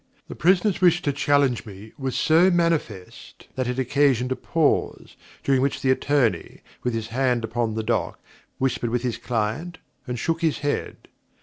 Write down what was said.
The prisoner's wish to challenge me was so manifest, that it occasioned a pause, during which the attorney, with his hand upon the dock, whispered with his client, and shook his head.